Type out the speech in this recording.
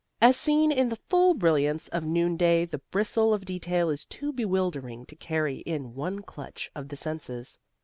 As seen in the full brilliance of noonday the bristle of detail is too bewildering to carry in one clutch of the senses.